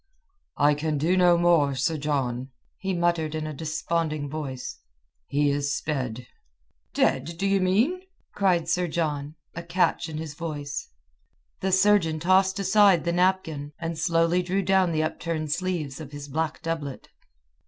"I can do no more, Sir John," he muttered in a desponding voice. "He is sped." "Dead, d'ye mean?" cried Sir John, a catch in his voice. The surgeon tossed aside the napkin, and slowly drew down the upturned sleeves of his black doublet.